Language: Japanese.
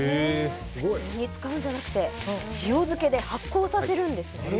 普通に使うんじゃなくて塩漬けで発酵させるんですね。